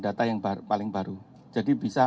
data yang paling baru jadi bisa